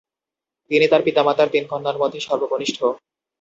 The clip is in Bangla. তিনি তার পিতামাতার তিন কন্যার মধ্যে সর্বকনিষ্ঠ।